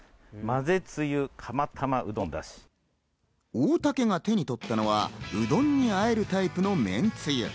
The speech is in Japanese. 大竹が手に取ったのは、うどんにあえるタイプのめんつゆ。